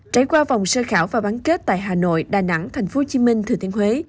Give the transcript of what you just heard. trải qua vòng sơ khảo và bán kết tại hà nội đà nẵng thành phố hồ chí minh thừa tiên huế